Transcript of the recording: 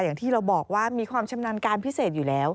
อย่างที่เราบอกว่ามีความชำนาญการพิเศษอยู่แล้ว